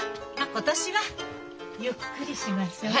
今年はゆっくりしましょう。